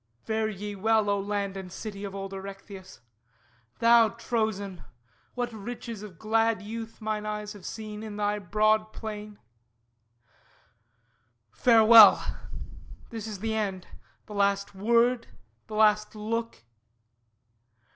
Fare ye well, O land And city of old Erechtheus! Thou, Trozên, What riches of glad youth mine eyes have seen In thy broad plain! Farewell! This is the end; The last word, the last look!